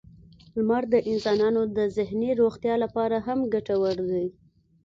• لمر د انسانانو د ذهني روغتیا لپاره هم ګټور دی.